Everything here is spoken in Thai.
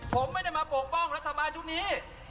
ผมไม่ได้มาปกป้องรัฐบาลชุดนี้